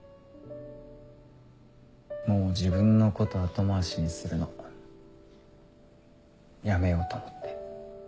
もう自分のこと後回しにするのやめようと思って。